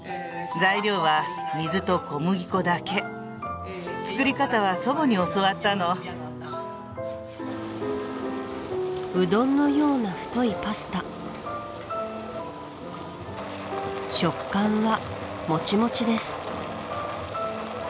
材料は水と小麦粉だけ作り方は祖母に教わったのうどんのような太いパスタ食感はモチモチです